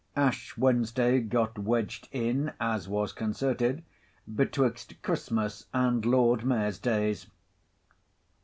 Ash Wednesday got wedged in (as was concerted) betwixt Christmas and Lord Mayor's Days.